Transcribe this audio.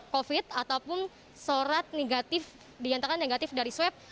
covid ataupun surat negatif diantarkan negatif dari swab